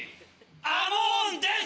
アモーンです！